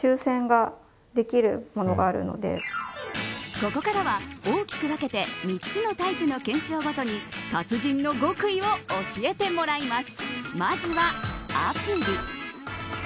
ここからは大きく分けて３つのタイプの懸賞ごとに達人の極意を教えてもらいます。